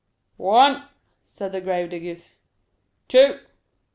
"One!" said the grave diggers, "two!